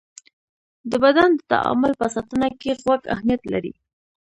د بدن د تعادل په ساتنه کې غوږ اهمیت لري.